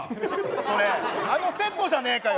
それあのセットじゃねえかよ！